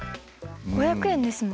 ５００円ですもんね。